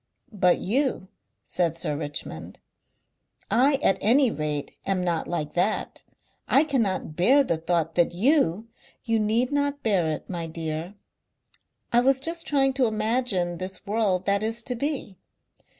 "But you," said Sir Richmond. "I at any rate am not like that. I cannot bear the thought that YOU " "You need not bear it, my dear. I was just trying to imagine this world that is to be.